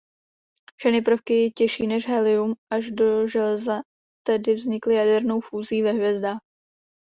Všechny prvky těžší než helium až do železa tedy vznikly jadernou fúzí ve hvězdách.